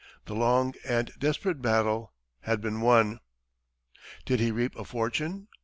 The long and desperate battle had been won! Did he reap a fortune?